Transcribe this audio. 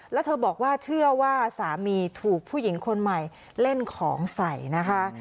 แล้วเธอบอกว่าเชื่อว่าสามีถูกผู้หญิงคนใหม่เล่นของใส่นะคะ